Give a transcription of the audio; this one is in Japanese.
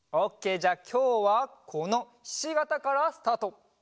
じゃあきょうはこのひしがたからスタート！